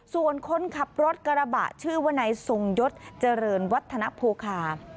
ส่วนคนขับรถกระบะชื่อว่านายทรงยศเจริญวัฒนโภคา